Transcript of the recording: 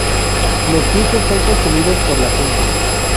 Los frutos son consumidos por la gente.